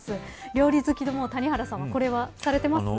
料理好きの谷原さんはこれはされていますか。